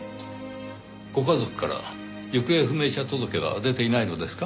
ご家族から行方不明者届は出ていないのですか？